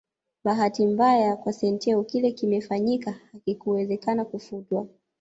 Bahati mbaya kwa Santeu kile kimefanyika hakikuwezekana kufutwa